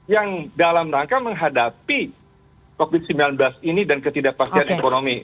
yang dalam rangka menghadapi covid sembilan belas ini dan ketidakpastian ekonomi